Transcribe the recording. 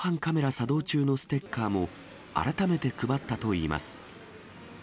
作動中のステッカーも改めて配ったといいます。